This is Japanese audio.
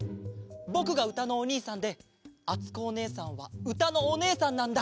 ぼくがうたのおにいさんであつこおねえさんはうたのおねえさんなんだ。